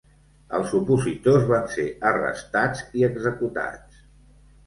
Els opositors van ser arrestats i executats.